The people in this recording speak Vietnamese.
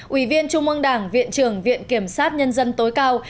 ủy viên trung ương đảng viện trưởng viện kiểm sát nhân dân tối cao